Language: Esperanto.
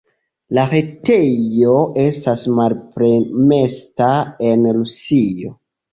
La retejo estas malpermesita en Rusio.